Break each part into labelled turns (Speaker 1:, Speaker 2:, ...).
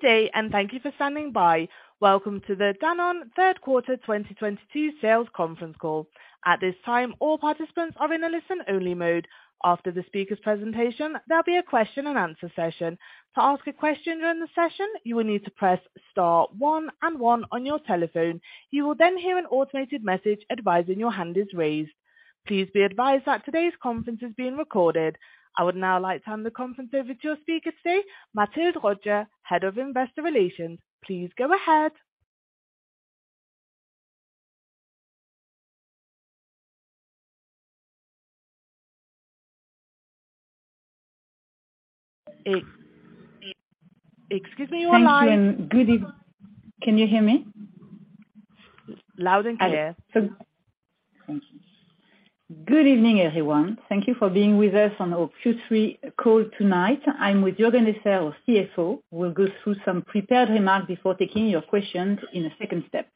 Speaker 1: Good day, thank you for standing by. Welcome to the Danone Q3 2022 Sales Conference Call. At this time, all participants are in a listen-only mode. After the speaker's presentation, there'll be a question-and-answer session. To ask a question during the session, you will need to press star one and one on your telephone. You will then hear an automated message advising your hand is raised. Please be advised that today's conference is being recorded. I would now like to hand the conference over to your speaker today, Mathilde Rodié, Head of Investor Relations. Please go ahead. Excuse me, you are live.
Speaker 2: Thank you. Can you hear me?
Speaker 1: Loud and clear.
Speaker 2: Thank you. Good evening, everyone. Thank you for being with us on our Q3 call tonight. I'm with Juergen Esser, our CFO. We'll go through some prepared remarks before taking your questions in a second step.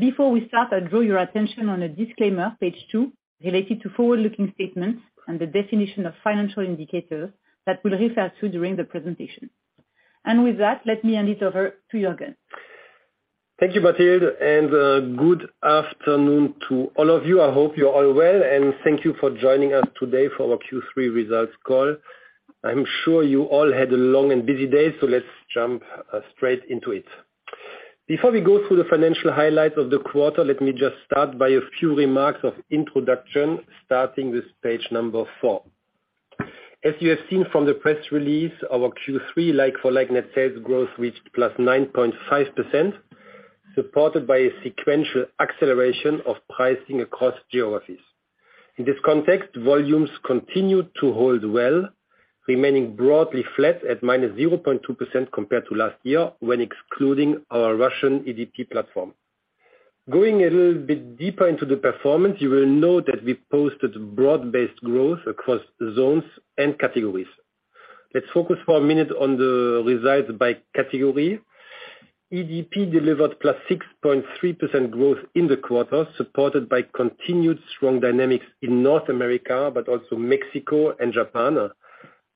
Speaker 2: Before we start, I'll draw your attention on the disclaimer, page two, related to forward-looking statements and the definition of financial indicators that we'll refer to during the presentation. With that, let me hand it over to Juergen.
Speaker 3: Thank you, Mathilde, and good afternoon to all of you. I hope you're all well, and thank you for joining us today for our Q3 results call. I'm sure you all had a long and busy day, so let's jump straight into it. Before we go through the financial highlights of the quarter, let me just start by a few remarks of introduction, starting with page number 4. As you have seen from the press release, our Q3 like-for-like net sales growth reached +9.5%, supported by a sequential acceleration of pricing across geographies. In this context, volumes continued to hold well, remaining broadly flat at -0.2% compared to last year when excluding our Russian EDP platform. Going a little bit deeper into the performance, you will note that we posted broad-based growth across zones and categories. Let's focus for a minute on the results by category. EDP delivered +6.3% growth in the quarter, supported by continued strong dynamics in North America, but also Mexico and Japan,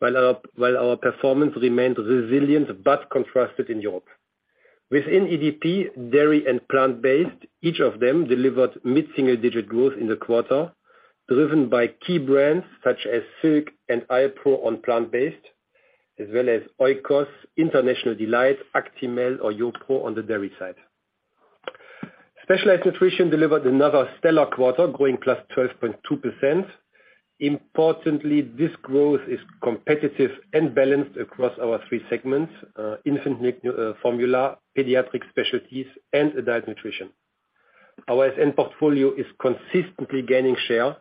Speaker 3: while our performance remained resilient but contrasted in Europe. Within EDP, dairy and plant-based, each of them delivered mid-single digit growth in the quarter, driven by key brands such as Silk and Alpro on plant-based, as well as Oikos, International Delight, Actimel or YoPRO on the dairy side. Specialized nutrition delivered another stellar quarter, growing +12.2%. Importantly, this growth is competitive and balanced across our three segments, infant formula, pediatric specialties, and adult nutrition. Our SN portfolio is consistently gaining share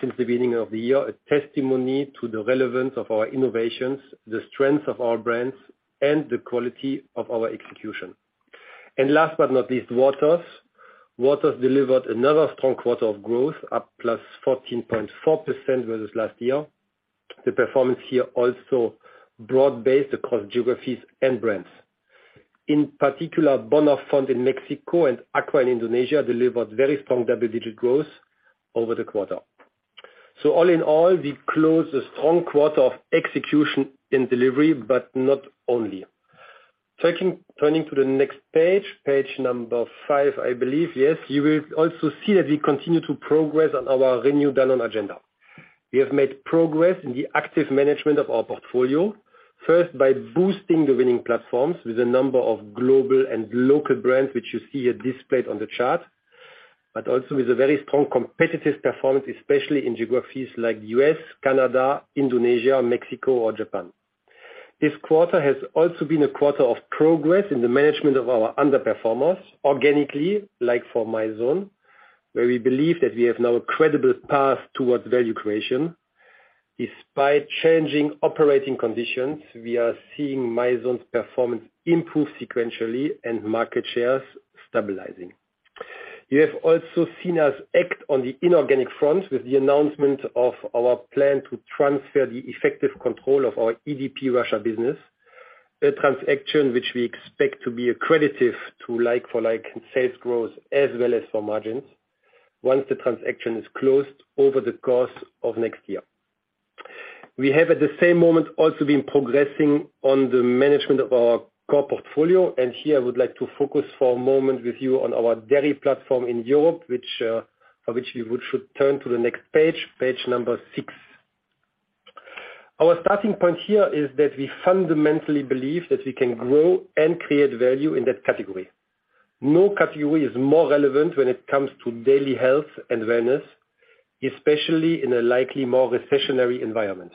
Speaker 3: since the beginning of the year, a testimony to the relevance of our innovations, the strength of our brands, and the quality of our execution. Last but not least, Waters delivered another strong quarter of growth, up +14.4% versus last year. The performance here also broad-based across geographies and brands. In particular, Bonafont in Mexico and AQUA in Indonesia delivered very strong double-digit growth over the quarter. All in all, we closed a strong quarter of execution and delivery, but not only. Turning to the next page 5, I believe. Yes. You will also see that we continue to progress on our renewed Danone agenda. We have made progress in the active management of our portfolio. First, by boosting the winning platforms with a number of global and local brands, which you see are displayed on the chart, but also with a very strong competitive performance, especially in geographies like U.S., Canada, Indonesia, Mexico or Japan. This quarter has also been a quarter of progress in the management of our underperformers organically, like for Mizone, where we believe that we have now a credible path towards value creation. Despite changing operating conditions, we are seeing Mizone's performance improve sequentially and market shares stabilizing. You have also seen us act on the inorganic front with the announcement of our plan to transfer the effective control of our EDP Russia business, a transaction which we expect to be accretive to like-for-like in sales growth as well as for margins once the transaction is closed over the course of next year. We have at the same moment, also been progressing on the management of our core portfolio and here I would like to focus for a moment with you on our dairy platform in Europe which for which we should turn to the next page number six. Our starting point here is that we fundamentally believe that we can grow and create value in that category. No category is more relevant when it comes to daily health and wellness, especially in a likely more recessionary environment.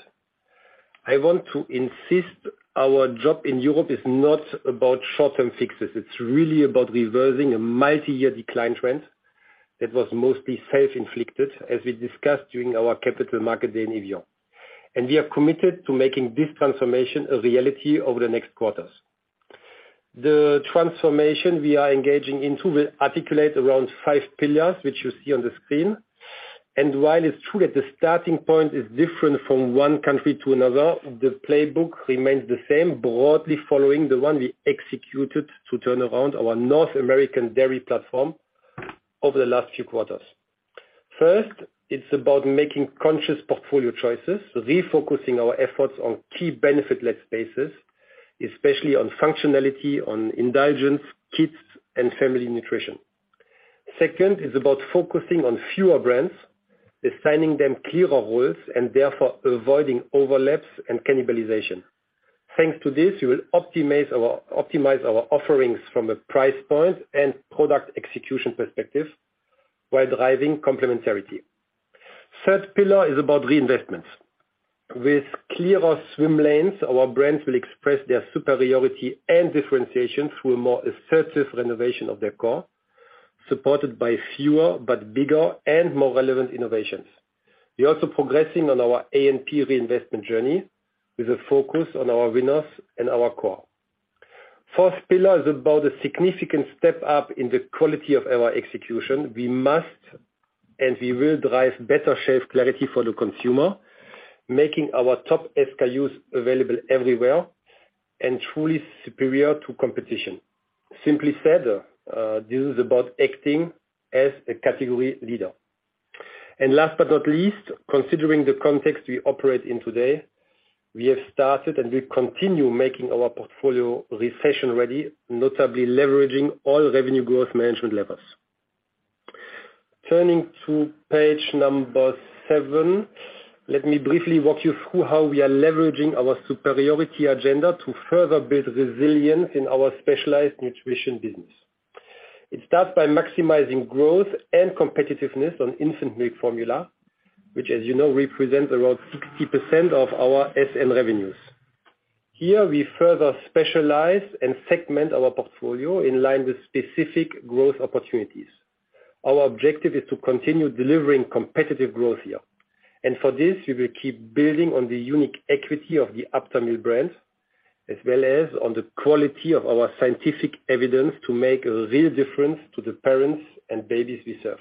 Speaker 3: I want to insist our job in Europe is not about short-term fixes. It's really about reversing a multi-year decline trend that was mostly self-inflicted, as we discussed during our Capital Market Day in Evian. We are committed to making this transformation a reality over the next quarters. The transformation we are engaging into will articulate around five pillars, which you see on the screen. While it's true that the starting point is different from one country to another, the playbook remains the same, broadly following the one we executed to turn around our North American dairy platform over the last few quarters. First, it's about making conscious portfolio choices, so refocusing our efforts on key benefit-led spaces, especially on functionality, on indulgence, kids, and family nutrition. Second is about focusing on fewer brands, assigning them clearer roles, and therefore avoiding overlaps and cannibalization. Thanks to this, we will optimize our offerings from a price point and product execution perspective while driving complementarity. Third pillar is about reinvestments. With clearer swim lanes, our brands will express their superiority and differentiation through a more assertive renovation of their core, supported by fewer but bigger and more relevant innovations. We're also progressing on our A&P reinvestment journey with a focus on our winners and our core. Fourth pillar is about a significant step up in the quality of our execution. We must and we will drive better shelf clarity for the consumer, making our top SKUs available everywhere and truly superior to competition. Simply said, this is about acting as a category leader. Last but not least, considering the context we operate in today, we have started, and we continue making our portfolio recession ready, notably leveraging all revenue growth management levers. Turning to page number 7, let me briefly walk you through how we are leveraging our superiority agenda to further build resilience in our specialized nutrition business. It starts by maximizing growth and competitiveness on infant milk formula, which, as you know, represents around 60% of our SN revenues. Here, we further specialize and segment our portfolio in line with specific growth opportunities. Our objective is to continue delivering competitive growth here, and for this, we will keep building on the unique equity of the Aptamil brand, as well as on the quality of our scientific evidence to make a real difference to the parents and babies we serve.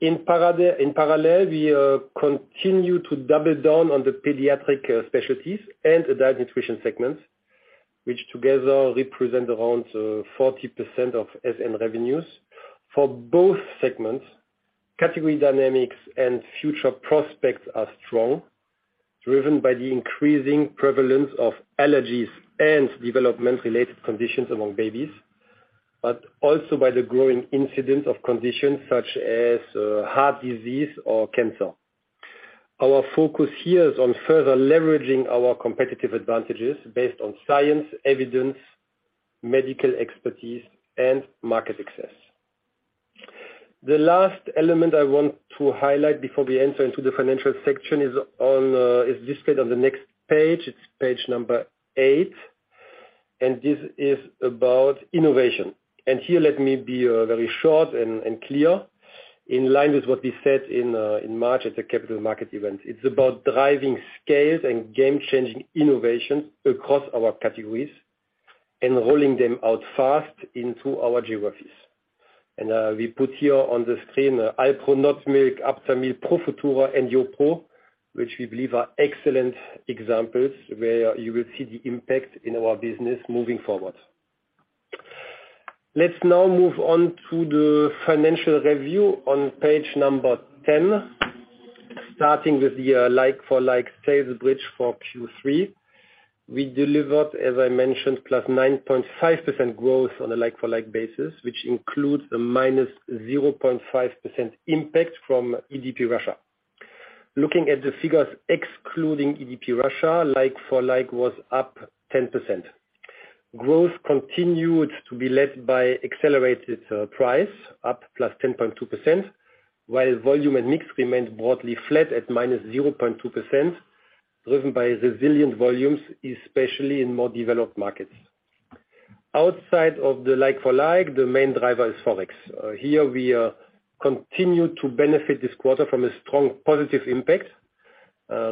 Speaker 3: In parallel, we continue to double down on the pediatric specialties and adult nutrition segments, which together represent around 40% of SN revenues. For both segments, category dynamics and future prospects are strong, driven by the increasing prevalence of allergies and development-related conditions among babies, but also by the growing incidence of conditions such as heart disease or cancer. Our focus here is on further leveraging our competitive advantages based on science, evidence, medical expertise, and market success. The last element I want to highlight before we enter into the financial section is displayed on the next page. It's page 8, and this is about innovation. Here, let me be very short and clear. In line with what we said in March at the capital market event, it's about driving scales and game-changing innovation across our categories and rolling them out fast into our geographies. We put here on the screen Alpro Oat Milk, Aptamil, Profutura and YoPRO, which we believe are excellent examples where you will see the impact in our business moving forward. Let's now move on to the financial review on page 10, starting with the like-for-like sales bridge for Q3. We delivered, as I mentioned, +9.5% growth on a like-for-like basis, which includes a -0.5% impact from EDP Russia. Looking at the figures excluding EDP Russia, like-for-like was up 10%. Growth continued to be led by accelerated price, up +10.2%, while volume and mix remained broadly flat at -0.2%, driven by resilient volumes, especially in more developed markets. Outside of the like-for-like, the main driver is Forex. Here we continued to benefit this quarter from a strong positive impact,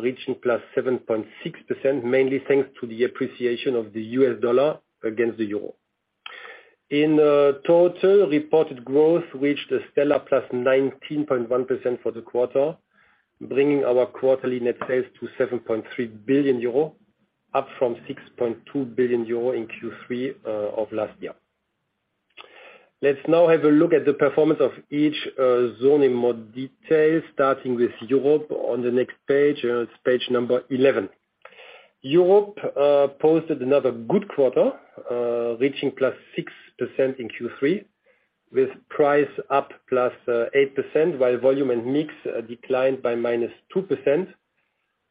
Speaker 3: reaching +7.6%, mainly thanks to the appreciation of the US dollar against the euro. In total, reported growth reached a stellar +19.1% for the quarter, bringing our quarterly net sales to 7.3 billion euro, up from 6.2 billion euro in Q3 of last year. Let's now have a look at the performance of each zone in more detail, starting with Europe on the next page. It's page 11. Europe posted another good quarter, reaching +6% in Q3 with price up +8%, while volume and mix declined by -2%,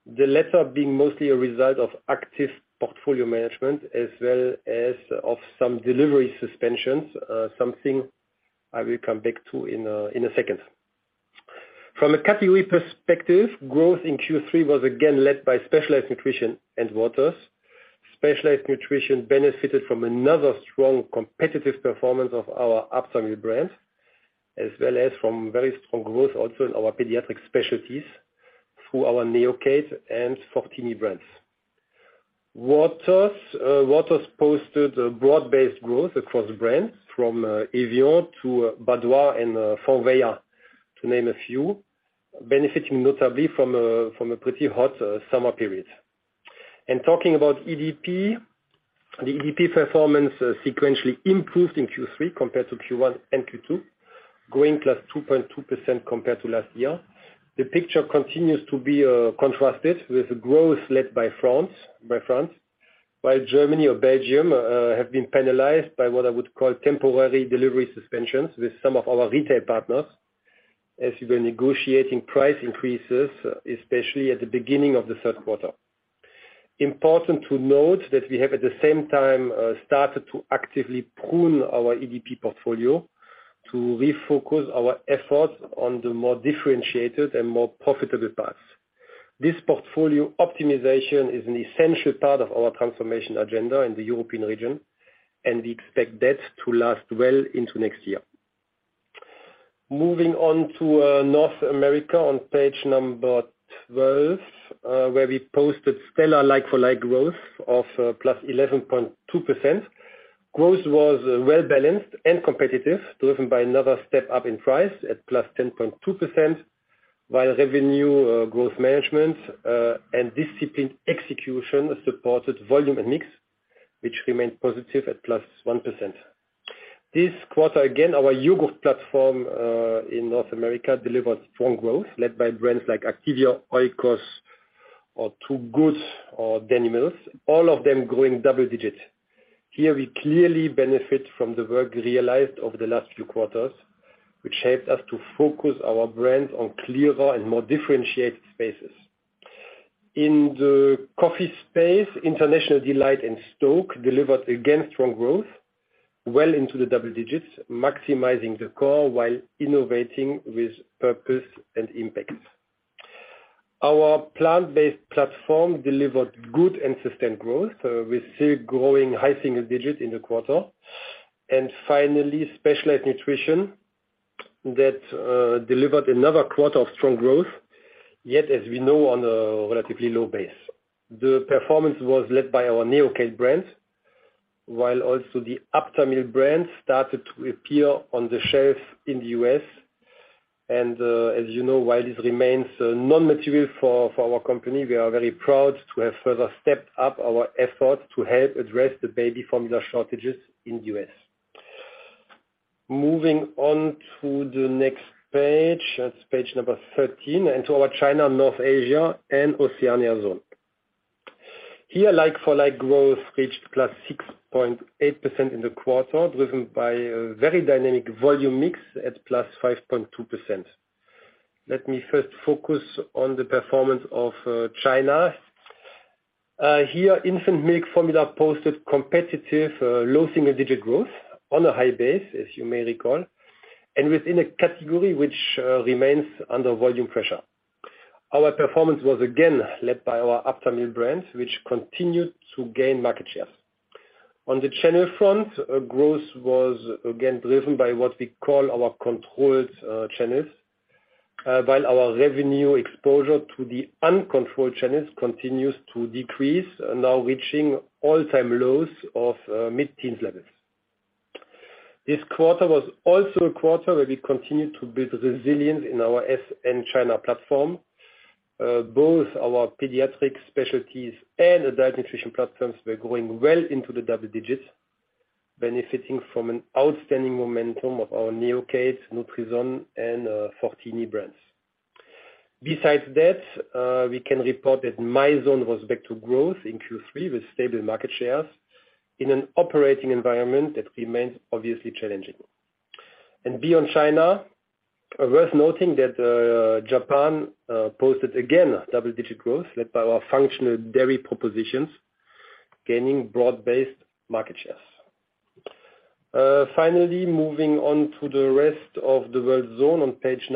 Speaker 3: the latter being mostly a result of active portfolio management as well as of some delivery suspensions, something I will come back to in a second. From a category perspective, growth in Q3 was again led by Specialized Nutrition and Waters. Specialized Nutrition benefited from another strong competitive performance of our Aptamil brand, as well as from very strong growth also in our pediatric specialties through our Neocate and Fortini brands. Waters posted broad-based growth across brands from Evian to Badoit and Volvic, to name a few, benefiting notably from a pretty hot summer period. Talking about EDP, the EDP performance sequentially improved in Q3 compared to Q1 and Q2, growing +2.2% compared to last year. The picture continues to be contrasted with growth led by France, while Germany or Belgium have been penalized by what I would call temporary delivery suspensions with some of our retail partners as we're negotiating price increases, especially at the beginning of the third quarter. Important to note that we have, at the same time, started to actively prune our EDP portfolio to refocus our efforts on the more differentiated and more profitable paths. This portfolio optimization is an essential part of our transformation agenda in the European region, and we expect that to last well into next year. Moving on to North America on page 12, where we posted stellar like-for-like growth of +11.2%. Growth was well-balanced and competitive, driven by another step up in price at +10.2%, while revenue growth management and disciplined execution supported volume and mix, which remained positive at +1%. This quarter, again, our yogurt platform in North America delivered strong growth led by brands like Activia, Oikos, or Two Good, or Danimals, all of them growing double digits. Here we clearly benefit from the work realized over the last few quarters, which helped us to focus our brands on clearer and more differentiated spaces. In the coffee space, International Delight and STōK delivered again strong growth well into the double digits, maximizing the core while innovating with purpose and impact. Our plant-based platform delivered good and sustained growth. We're still growing high single digits in the quarter. Finally, specialized nutrition that delivered another quarter of strong growth, yet, as we know, on a relatively low base. The performance was led by our Neocate brand, while also the Aptamil brand started to appear on the shelf in the U.S. As you know, while this remains non-material for our company, we are very proud to have further stepped up our efforts to help address the baby formula shortages in the U.S. Moving on to the next page, that's page number 13, and to our China, North Asia and Oceania zone. Here, like-for-like growth reached +6.8% in the quarter, driven by a very dynamic volume mix at +5.2%. Let me first focus on the performance of China. Here, infant milk formula posted competitive low single-digit growth on a high base, as you may recall, and within a category which remains under volume pressure. Our performance was again led by our Aptamil brands, which continued to gain market share. On the channel front, growth was again driven by what we call our controlled channels, while our revenue exposure to the uncontrolled channels continues to decrease, now reaching all-time lows of mid-teens levels. This quarter was also a quarter where we continued to build resilience in our SN China platform. Both our pediatric specialties and diet nutrition platforms were growing well into the double digits, benefiting from an outstanding momentum of our Neocate, Nutrison and Fortini brands. Besides that, we can report that Mizone was back to growth in Q3 with stable market shares in an operating environment that remains obviously challenging. Beyond China, worth noting that Japan posted again double-digit growth led by our functional dairy propositions, gaining broad-based market shares. Finally, moving on to the rest of the world zone on page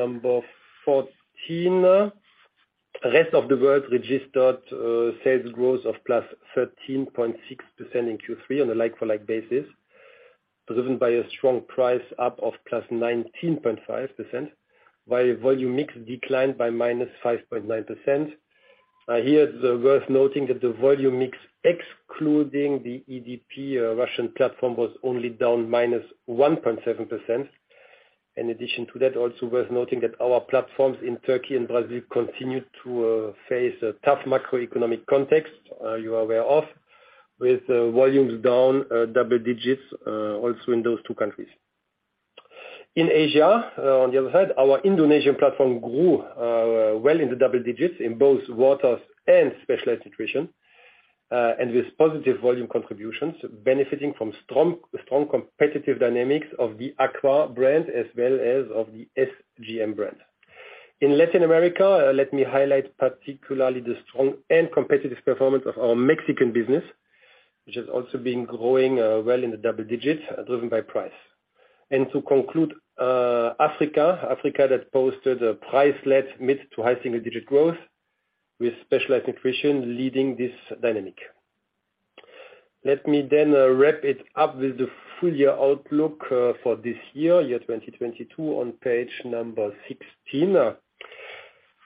Speaker 3: 14. Rest of the world registered sales growth of +13.6% in Q3 on a like-for-like basis, driven by a strong price up of +19.5%, while volume mix declined by -5.9%. Here it's worth noting that the volume mix excluding the EDP Russian platform was only down -1.7%. In addition to that, also worth noting that our platforms in Turkey and Brazil continued to face a tough macroeconomic context you are aware of, with volumes down double digits also in those two countries. In Asia, on the other hand, our Indonesian platform grew well into double digits in both waters and specialized nutrition, and with positive volume contributions benefiting from strong competitive dynamics of the Aqua brand as well as of the SGM brand. In Latin America, let me highlight particularly the strong and competitive performance of our Mexican business, which has also been growing well in the double digits, driven by price. To conclude, Africa. Africa that posted a price-led mid- to high-single-digit growth with specialized nutrition leading this dynamic. Let me wrap it up with the full-year outlook for this year 2022 on page 16.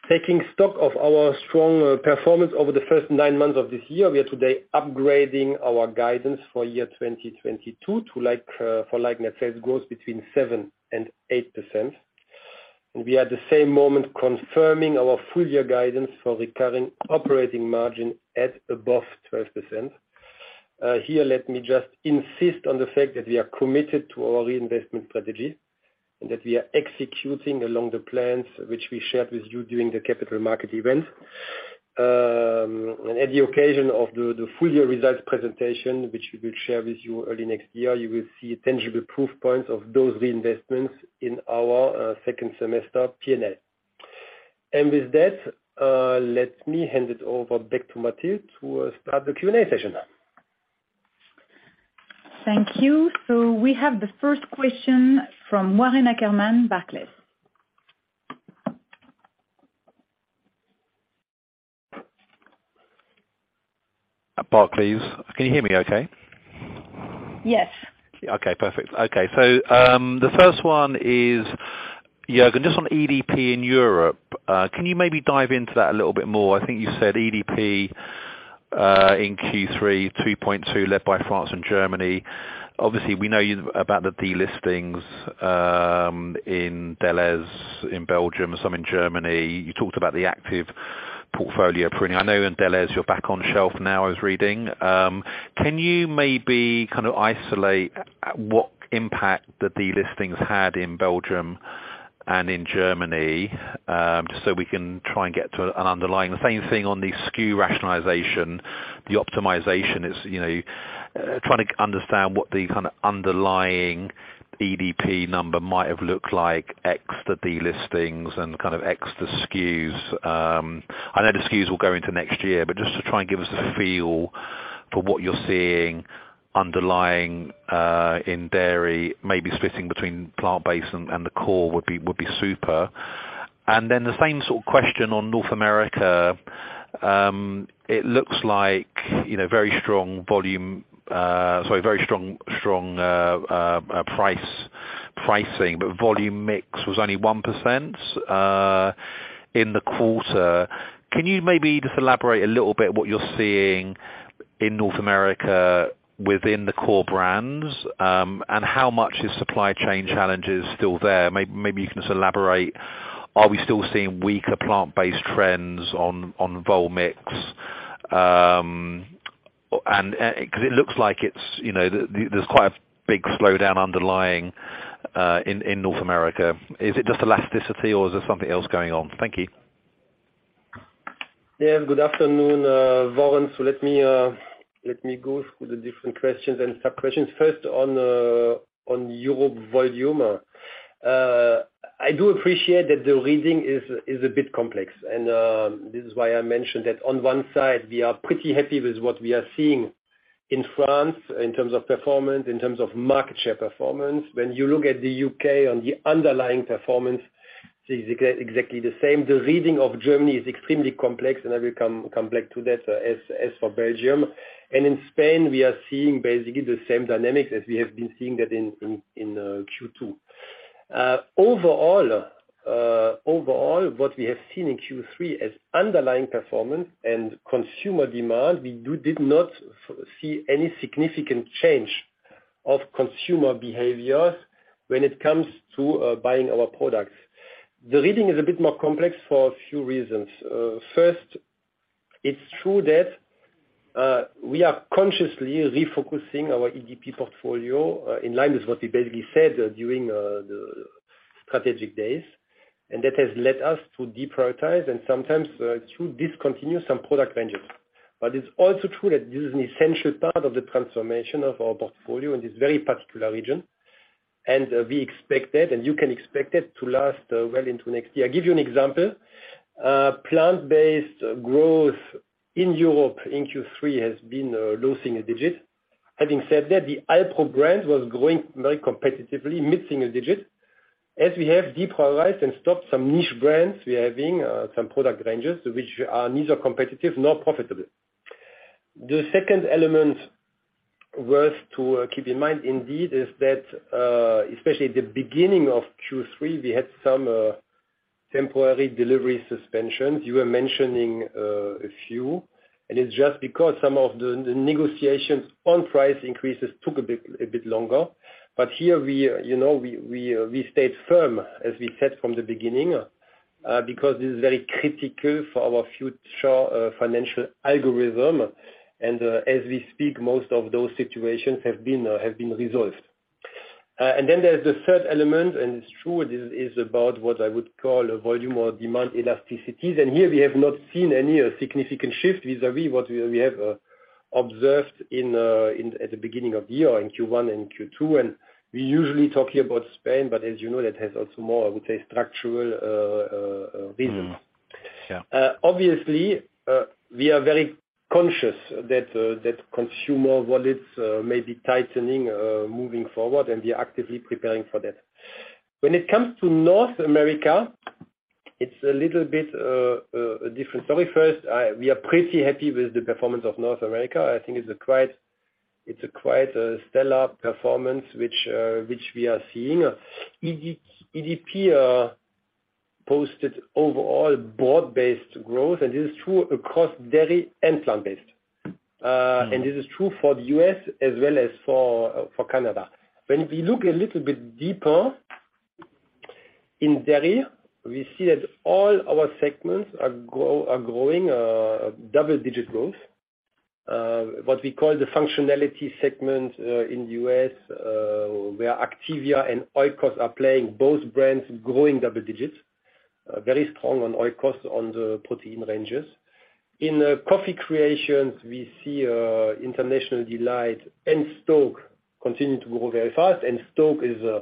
Speaker 3: Taking stock of our strong performance over the first 9 months of this year, we are today upgrading our guidance for year 2022 to like-for-like net sales growth between 7% and 8%. We at the same moment confirming our full-year guidance for recurring operating margin at above 12%. Here, let me just insist on the fact that we are committed to our reinvestment strategy, and that we are executing along the plans which we shared with you during the capital market event. At the occasion of the full year results presentation, which we will share with you early next year, you will see tangible proof points of those reinvestments in our second semester P&L. With that, let me hand it over back to Mathilde to start the Q&A session now.
Speaker 2: Thank you. We have the first question from Warren Ackerman, Barclays.
Speaker 4: At Barclays. Can you hear me okay?
Speaker 2: Yes.
Speaker 4: Okay perfect. Okay. The first one is, Juergen, just on EDP in Europe, can you maybe dive into that a little bit more? I think you said EDP in Q3, 3.2% led by France and Germany. Obviously, we know about the de-listings in Belgium, some in Germany. You talked about the active portfolio pruning. I know in Belgium you're back on shelf now, I was reading. Can you maybe kind of isolate what impact the de-listings had in Belgium and in Germany, just so we can try and get to an underlying. The same thing on the SKU rationalization, the optimization is, you know, trying to understand what the kind of underlying EDP number might have looked like, ex the de-listings and kind of ex the SKUs. I know the SKUs will go into next year, but just to try and give us a feel for what you're seeing underlying in dairy, maybe splitting between plant-based and the core would be super. Then the same sort of question on North America. It looks like, you know, very strong pricing, but volume mix was only 1% in the quarter. Can you maybe just elaborate a little bit what you're seeing in North America within the core brands, and how much is supply chain challenges still there? Maybe you can just elaborate, are we still seeing weaker plant-based trends on vol mix? And 'cause it looks like it's, you know, there's quite a big slowdown underlying in North America. Is it just elasticity or is there something else going on? Thank you.
Speaker 3: Yeah. Good afternoon, Warren. Let me go through the different questions and sub-questions. First on Europe volume. I do appreciate that the reading is a bit complex, and this is why I mentioned that on one side, we are pretty happy with what we are seeing in France in terms of performance, in terms of market share performance. When you look at the U.K. on the underlying performance, it's exactly the same. The reading of Germany is extremely complex, and I will come back to that, as for Belgium. In Spain, we are seeing basically the same dynamics as we have been seeing that in Q2. Overall, what we have seen in Q3 as underlying performance and consumer demand, we did not see any significant change of consumer behaviors when it comes to buying our products. The reading is a bit more complex for a few reasons. First, it's true that we are consciously refocusing our EDP portfolio in line with what we basically said during the strategic days. That has led us to deprioritize and sometimes to discontinue some product ranges. It's also true that this is an essential part of the transformation of our portfolio in this very particular region. We expect that, and you can expect it to last well into next year. I give you an example. Plant-based growth in Europe in Q3 has been losing a digit. Having said that, the Alpro brand was growing very competitively, missing a digit. As we have deprioritized and stopped some niche brands, we are having some product ranges which are neither competitive nor profitable. The second element worth to keep in mind indeed is that, especially at the beginning of Q3, we had some temporary delivery suspensions. You were mentioning a few, and it's just because some of the negotiations on price increases took a bit longer. But here you know, we stayed firm, as we said from the beginning, because this is very critical for our future financial algorithm. As we speak, most of those situations have been resolved. There's the third element, and it's true, this is about what I would call a volume or demand elasticities. Here we have not seen any significant shift vis-a-vis what we have observed at the beginning of the year, in Q1 and Q2. We're usually talking about Spain, but as you know, that has also more, I would say, structural reasons.
Speaker 4: Mm-hmm. Yeah.
Speaker 3: Obviously, we are very conscious that consumer wallets may be tightening moving forward, and we are actively preparing for that. When it comes to North America, it's a little bit a different story. First, we are pretty happy with the performance of North America. I think it's quite a stellar performance which we are seeing. EDP posted overall broad-based growth, and this is true across dairy and plant-based. This is true for the U.S. as well as for Canada. When we look a little bit deeper in dairy, we see that all our segments are growing double-digit growth. What we call the functionality segment in U.S., where Activia and Oikos are playing, both brands growing double digits, very strong on Oikos on the protein ranges. In coffee creations, we see International Delight and STōK continue to grow very fast, and STōK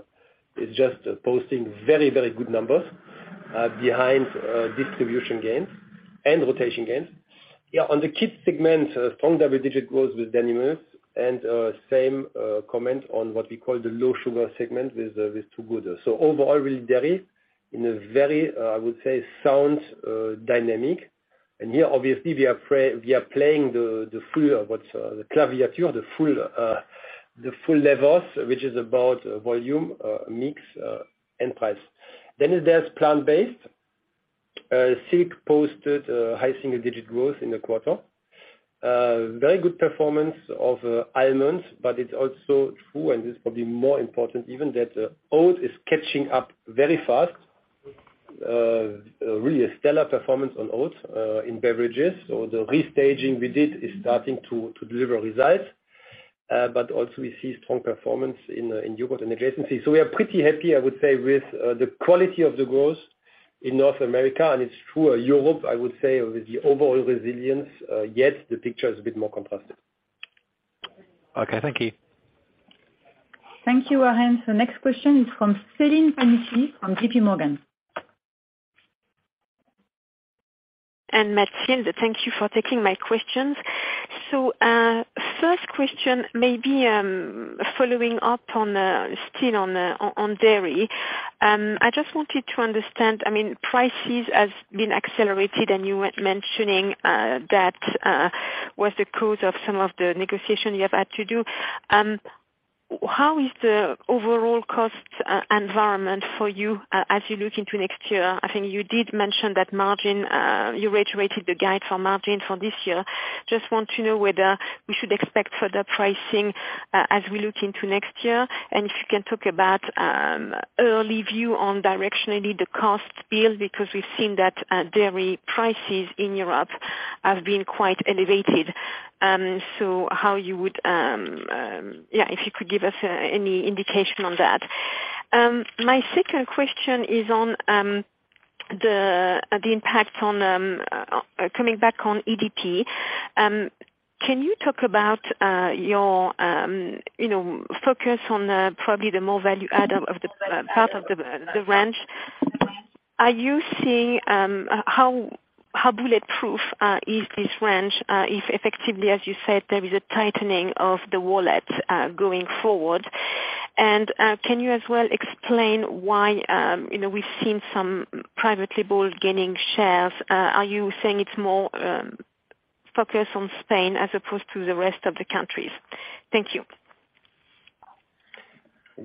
Speaker 3: is just posting very good numbers behind distribution gains and rotation gains. On the kid segment, strong double-digit growth with Danimals, and same comment on what we call the low sugar segment with Two Good. Overall, really, dairy in a very, I would say, sound dynamic. Here, obviously we are playing the full clavier, the full levels, which is about volume, mix, and price. There's plant-based. Silk posted high single-digit growth in the quarter. Very good performance of Almond, but it's also true, and this probably more important even, that Oat is catching up very fast. Really a stellar performance on Oats in beverages. The restaging we did is starting to deliver results. But also we see strong performance in yogurt and adjacencies. We are pretty happy, I would say, with the quality of the growth in North America, and it's true, Europe, I would say with the overall resilience, yet the picture is a bit more contrasted.
Speaker 4: Okay. Thank you.
Speaker 2: Thank you, Warren Ackerman. The next question is from Celine Pannuti on JPMorgan.
Speaker 5: Mathilde, thank you for taking my questions. First question may be following up on dairy. I just wanted to understand, I mean, prices has been accelerated, and you were mentioning that was the cause of some of the negotiation you have had to do. How is the overall cost environment for you as you look into next year? I think you did mention that margin, you reiterated the guide for margin for this year. Just want to know whether we should expect further pricing as we look into next year. If you can talk about early view on directionally the cost field, because we've seen that dairy prices in Europe have been quite elevated. If you could give us any indication on that. My second question is on the impact, coming back on EDP. Can you talk about your focus on probably the more value-added part of the range? Are you seeing how bulletproof this range is, if effectively, as you said, there is a tightening of the wallet going forward? Can you as well explain why, you know, we've seen some private label gaining shares? Are you saying it's more focused on Spain as opposed to the rest of the countries? Thank you.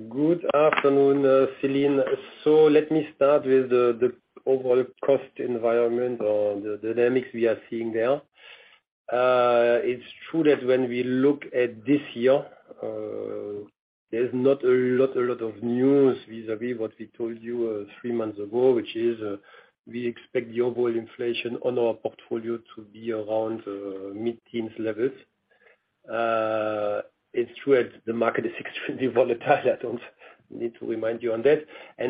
Speaker 3: Good afternoon Celine. Let me start with the overall cost environment or the dynamics we are seeing there. It's true that when we look at this year, there's not a lot of news vis-à-vis what we told you three months ago, which is we expect the overall inflation on our portfolio to be around mid-teens levels. It's true as the market is extremely volatile. I don't need to remind you on that.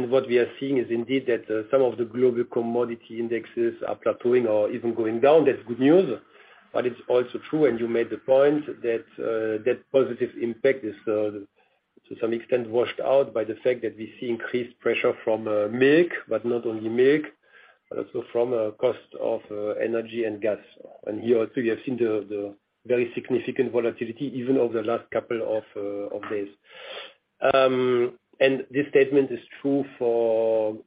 Speaker 3: What we are seeing is indeed that some of the global commodity indexes are plateauing or even going down, that's good news. It's also true and you made the point that that positive impact is to some extent washed out by the fact that we see increased pressure from milk, but not only milk, but also from cost of energy and gas. Here too, we have seen the very significant volatility even over the last couple of days. This statement is true for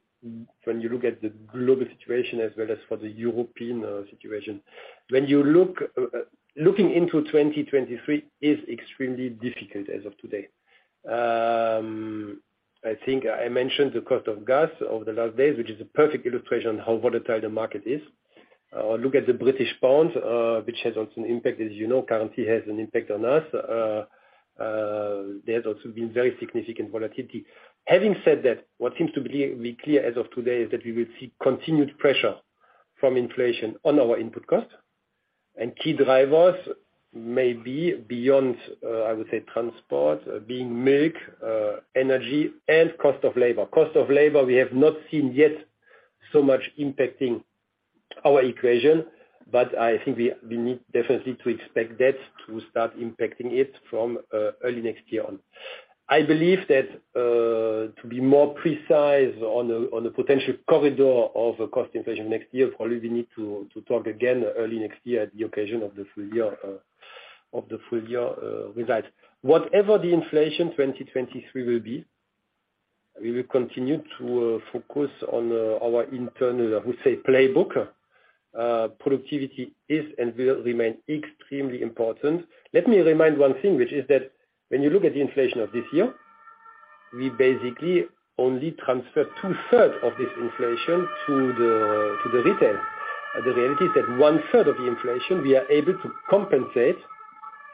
Speaker 3: when you look at the global situation as well as for the European situation. Looking into 2023 is extremely difficult as of today. I think I mentioned the cost of gas over the last days, which is a perfect illustration on how volatile the market is. Look at the British pounds, which has also an impact, as you know, currency has an impact on us. There's also been very significant volatility. Having said that, what seems to be clear as of today is that we will see continued pressure from inflation on our input cost. Key drivers may be beyond, I would say transport, being milk, energy and cost of labor. Cost of labor, we have not seen yet so much impacting our equation, but I think we need definitely to expect that to start impacting it from early next year on. I believe that to be more precise on the potential corridor of cost inflation next year, probably we need to talk again early next year at the occasion of the full year results. Whatever the inflation 2023 will be, we will continue to focus on our internal, I would say playbook. Productivity is and will remain extremely important. Let me remind one thing, which is that when you look at the inflation of this year, we basically only transferred two-thirds of this inflation to the retail. The reality is that one-third of the inflation we are able to compensate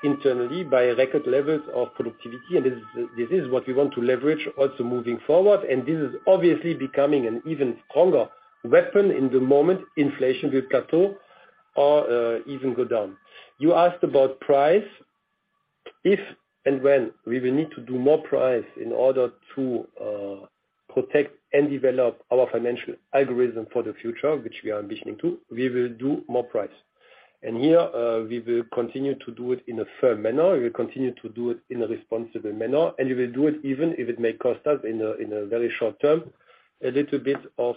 Speaker 3: internally by record levels of productivity, and this is what we want to leverage also moving forward. This is obviously becoming an even stronger weapon in the moment inflation will plateau or even go down. You asked about price. If and when we will need to do more price in order to protect and develop our financial algorithm for the future, which we are envisioning to, we will do more price. Here, we will continue to do it in a firm manner. We'll continue to do it in a responsible manner, and we will do it even if it may cost us in a very short term, a little bit of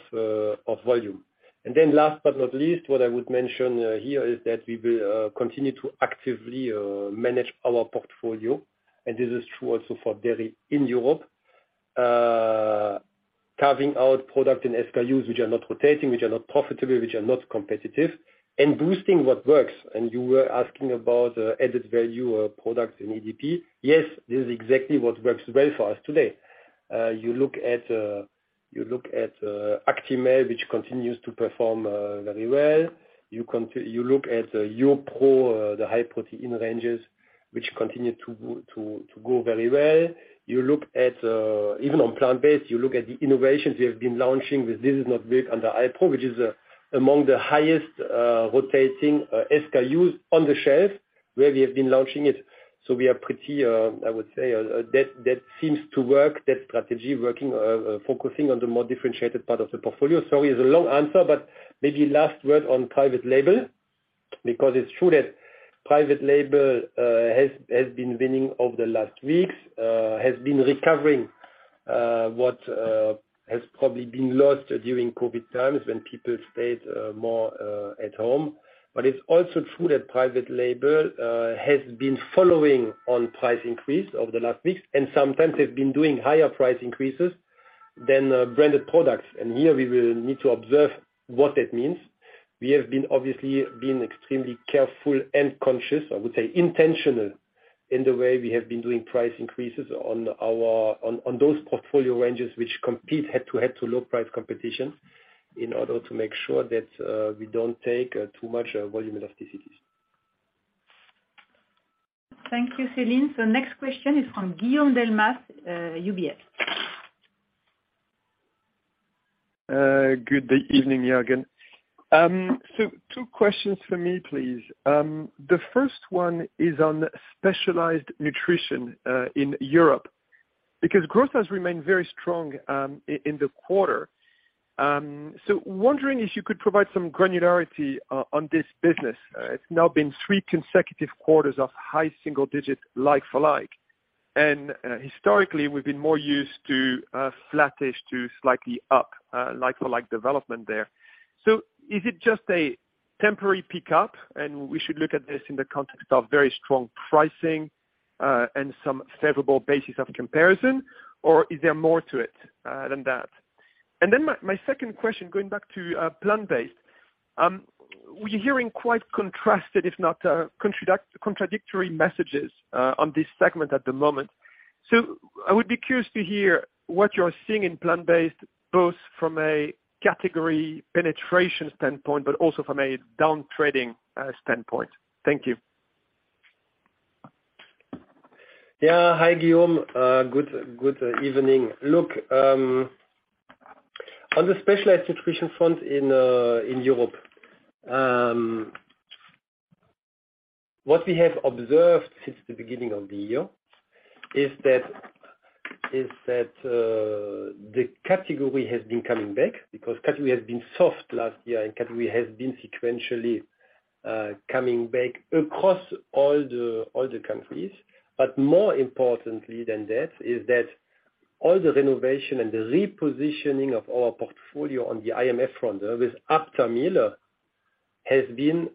Speaker 3: volume. Last but not least, what I would mention here is that we will continue to actively manage our portfolio, and this is true also for dairy in Europe. Carving out products and SKUs which are not rotating, which are not profitable, which are not competitive, and boosting what works. You were asking about added value products in EDP. Yes, this is exactly what works well for us today. You look at Actimel, which continues to perform very well. You look at the YoPRO, the high protein ranges, which continue to go very well. You look at even on plant-based, you look at the innovations we have been launching with This is Not M*LK under Alpro, which is among the highest rotating SKUs on the shelf where we have been launching it. So we are pretty, I would say, that seems to work, that strategy working, focusing on the more differentiated part of the portfolio. Sorry, it's a long answer, but maybe last word on private label, because it's true that private label has been winning over the last weeks, has been recovering what has probably been lost during COVID times when people stayed more at home. It's also true that private label has been following on price increase over the last weeks, and sometimes has been doing higher price increases than branded products. Here we will need to observe what that means. We have been obviously extremely careful and conscious, I would say intentional in the way we have been doing price increases on our portfolio ranges which compete head to head to low price competition in order to make sure that we don't take too much volume elasticities.
Speaker 2: Thank you Celine. Next question is from Guillaume Delmas, UBS.
Speaker 6: Good evening Juergen. 2 questions for me, please. The first one is on Specialized Nutrition in Europe, because growth has remained very strong in the quarter. Wondering if you could provide some granularity on this business. It's now been 3 consecutive quarters of high single-digit like-for-like, and historically, we've been more used to flattish to slightly up like-for-like development there. Is it just a temporary pickup, and we should look at this in the context of very strong pricing and some favorable basis of comparison, or is there more to it than that? My second question, going back to plant-based. We're hearing quite contrasted, if not contradictory messages on this segment at the moment. I would be curious to hear what you're seeing in plant-based, both from a category penetration standpoint, but also from a downtrading standpoint. Thank you.
Speaker 3: Hi Guillaume. Good evening. Look, on the specialized nutrition front in Europe, what we have observed since the beginning of the year is that the category has been coming back because category has been soft last year, and category has been sequentially coming back across all the countries. More importantly than that is that all the innovation and the repositioning of our portfolio on the IMF front with Aptamil has been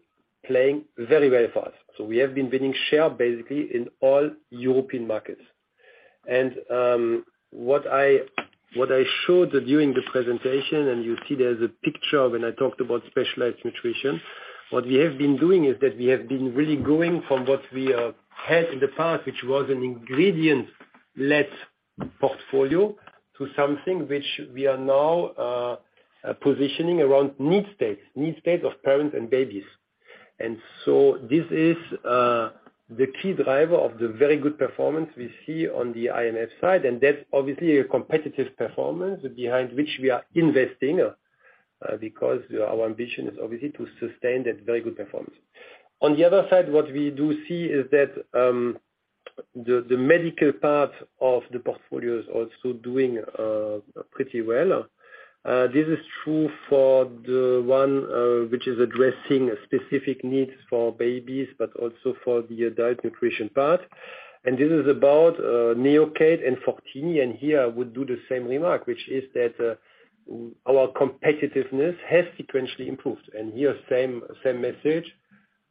Speaker 3: paying off very fast. We have been winning share basically in all European markets. What I showed you during the presentation, and you see there's a picture when I talked about Specialized Nutrition, what we have been doing is that we have been really going from what we have had in the past, which was an ingredient-led portfolio, to something which we are now positioning around need states of parents and babies. This is the key driver of the very good performance we see on the IMF side, and that's obviously a competitive performance behind which we are investing, because our ambition is obviously to sustain that very good performance. On the other side, what we do see is that the medical part of the portfolio is also doing pretty well. This is true for the one which is addressing specific needs for babies, but also for the adult nutrition part. This is about Neocate and Fortini, and here I would do the same remark, which is that our competitiveness has sequentially improved. Here, same message.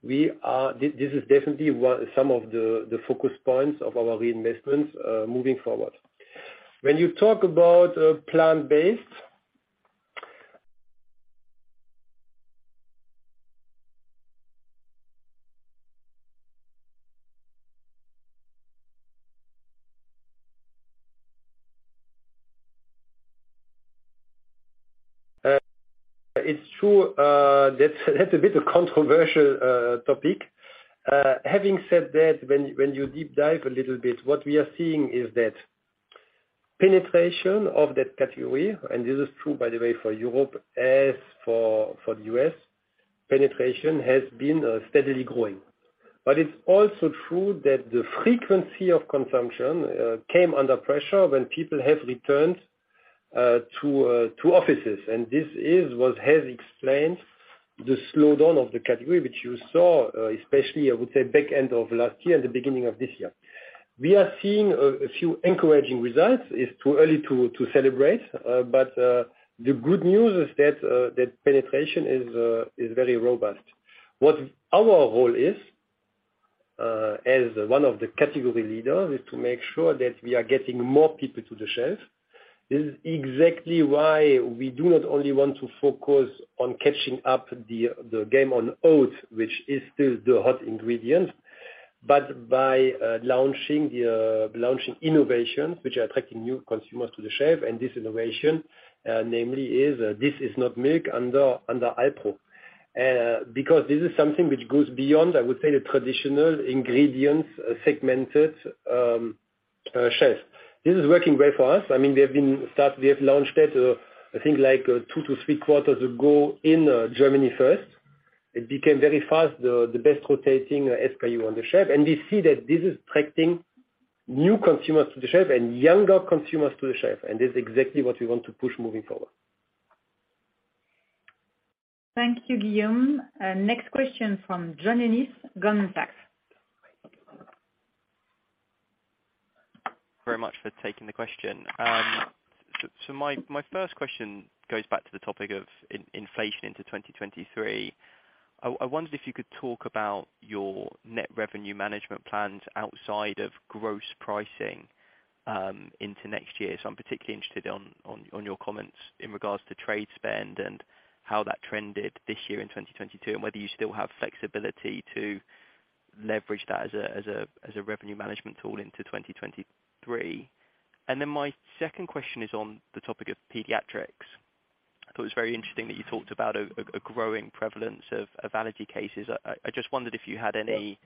Speaker 3: This is definitely some of the focus points of our reinvestments moving forward. When you talk about plant-based, it's true, that's a bit of controversial topic. Having said that, when you deep dive a little bit, what we are seeing is that penetration of that category, and this is true by the way for Europe as for the U.S., penetration has been steadily growing. It's also true that the frequency of consumption came under pressure when people have returned to offices. This is what has explained the slowdown of the category, which you saw, especially I would say back end of last year and the beginning of this year. We are seeing a few encouraging results. It's too early to celebrate. The good news is that penetration is very robust. What our role is, as one of the category leader, is to make sure that we are getting more people to the shelf. This is exactly why we do not only want to focus on catching up the game on oat, which is still the hot ingredient, but by launching innovations which are attracting new consumers to the shelf. This innovation, namely, This Is Not M*Lk under Alpro. Because this is something which goes beyond, I would say, the traditional ingredients segmented shelf. This is working great for us. I mean, we have launched it, I think like 2 to 3 quarters ago in Germany first. It became very fast the best rotating SKU on the shelf. We see that this is attracting new consumers to the shelf and younger consumers to the shelf, and that's exactly what we want to push moving forward.
Speaker 2: Thank you Guillaume. Next question from John Ennis, Goldman Sachs.
Speaker 7: Thank you very much for taking the question. So my first question goes back to the topic of inflation into 2023. I wondered if you could talk about your net revenue management plans outside of gross pricing into next year. So I'm particularly interested on your comments in regards to trade spend and how that trended this year in 2022, and whether you still have flexibility to leverage that as a revenue management tool into 2023. Then my second question is on the topic of pediatrics. I thought it was very interesting that you talked about a growing prevalence of allergy cases. I just wondered if you had any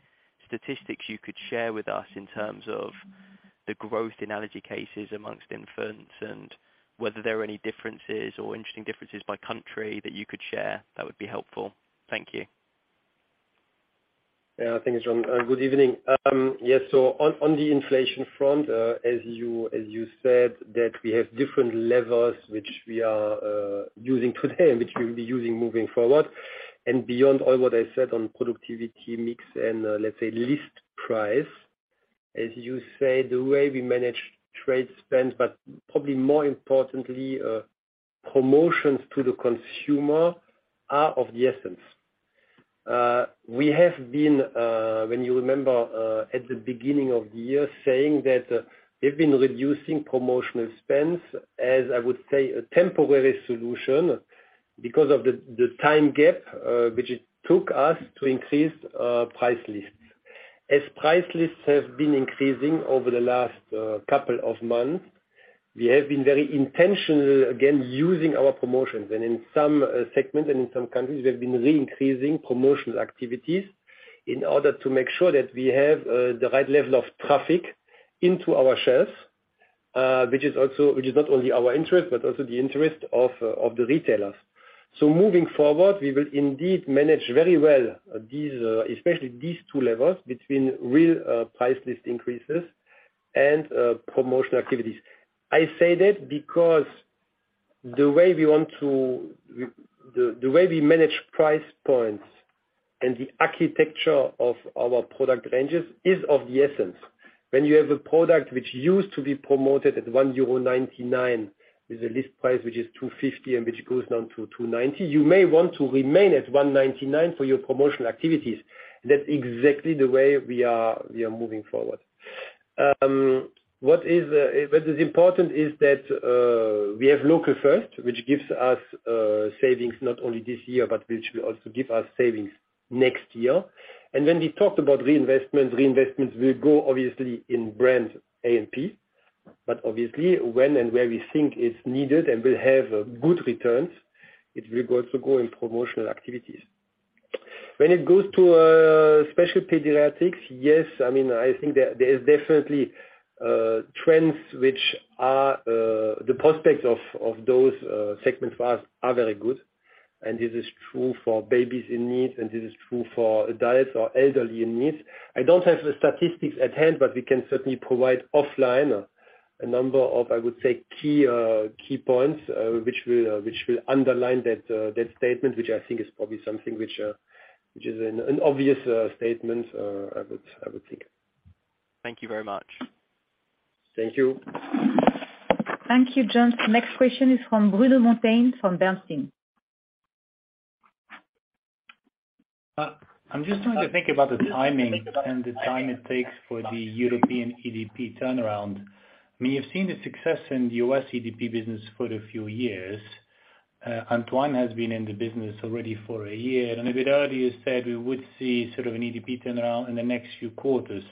Speaker 7: statistics you could share with us in terms of the growth in allergy cases among infants and whether there are any differences or interesting differences by country that you could share, that would be helpful. Thank you.
Speaker 3: Yeah. Thank you John. Good evening. Yes, so on the inflation front, as you said that we have different levers which we are using today and which we'll be using moving forward. Beyond all what I said on productivity mix and, let's say list price, as you say, the way we manage trade spend, but probably more importantly, promotions to the consumer are of the essence. We have been, when you remember, at the beginning of the year saying that, we've been reducing promotional spends, as I would say, a temporary solution because of the time gap, which it took us to increase price lists. As price lists have been increasing over the last couple of months, we have been very intentional, again, using our promotions. In some segments and in some countries we have been re-increasing promotional activities in order to make sure that we have the right level of traffic into our shelves, which is not only our interest, but also the interest of the retailers. Moving forward, we will indeed manage very well these, especially these two levers between real price list increases and promotional activities. I say that because the way we want to the way we manage price points and the architecture of our product ranges is of the essence. When you have a product which used to be promoted at 1.99 euro, with a list price which is 2.50 and which goes down to 2.90, you may want to remain at 1.99 for your promotional activities. That's exactly the way we are moving forward. What is important is that we have Local First, which gives us savings not only this year, but which will also give us savings next year. When we talked about reinvestments will go obviously in brands A&P, but obviously when and where we think it's needed and will have good returns, it will go, so go in promotional activities. When it goes to special pediatrics, yes, I mean, I think there is definitely trends which are the prospects of those segments for us are very good, and this is true for babies in need, and this is true for diets or elderly in need. I don't have the statistics at hand, but we can certainly provide offline a number of, I would say, key points, which will underline that statement, which I think is probably something which is an obvious statement, I would think.
Speaker 7: Thank you very much.
Speaker 3: Thank you.
Speaker 2: Thank you, John. Next question is from Bruno Monteyne, from Bernstein.
Speaker 8: I'm just trying to think about the timing and the time it takes for the European EDP turnaround. I mean, you've seen the success in the US EDP business for a few years. Antoine has been in the business already for a year, and a bit earlier, you said we would see sort of an EDP turnaround in the next few quarters.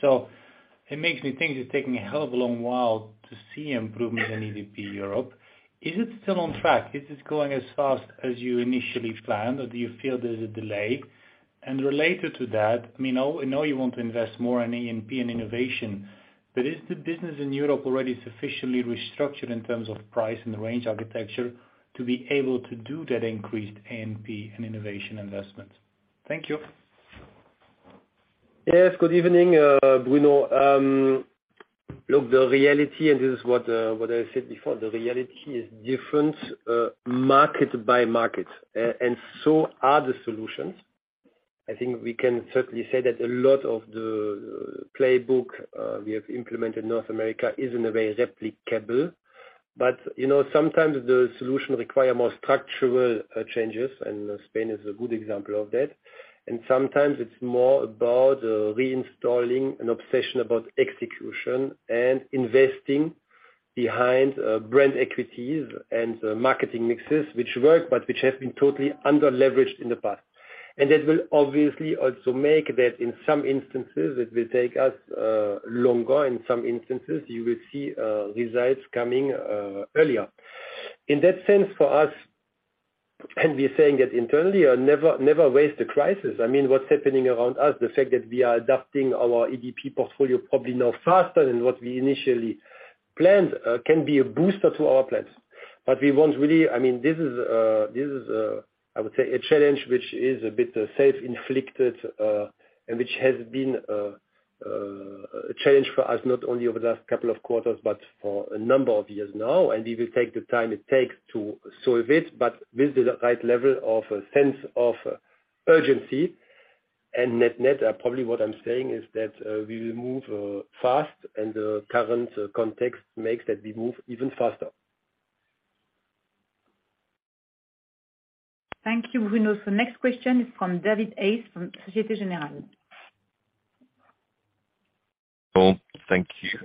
Speaker 8: It makes me think it's taking a hell of a long while to see improvement in EDP Europe. Is it still on track? Is this going as fast as you initially planned, or do you feel there's a delay? And related to that, I mean, I know you want to invest more in A&P and innovation, but is the business in Europe already sufficiently restructured in terms of price and the range architecture to be able to do that increased A&P and innovation investment? Thank you.
Speaker 3: Yes, good evening Bruno Monteyne. Look, the reality, and this is what I said before, the reality is different, market by market, and so are the solutions. I think we can certainly say that a lot of the playbook we have implemented in North America isn't very replicable. You know, sometimes the solution require more structural changes, and Spain is a good example of that. Sometimes it's more about reinstalling an obsession about execution and investing behind brand equities and marketing mixes, which work, but which have been totally under-leveraged in the past. That will obviously also make that, in some instances, it will take us longer. In some instances, you will see results coming earlier. In that sense for us, and we are saying it internally, never waste a crisis. I mean, what's happening around us, the fact that we are adapting our EDP portfolio probably now faster than what we initially planned, can be a booster to our plans. I mean, this is, I would say a challenge which is a bit self-inflicted, and which has been a challenge for us, not only over the last couple of quarters but for a number of years now. We will take the time it takes to solve it, but with the right level of sense of urgency. Net-net, probably what I'm saying is that, we will move, fast, and the current context makes that we move even faster.
Speaker 2: Thank you Bruno. Next question is from David Hayes from Société Générale.
Speaker 9: Cool. Thank you.